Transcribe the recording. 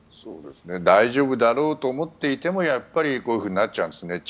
大丈夫だろうと思っていてもやっぱりこういうふうになっちゃうんですね。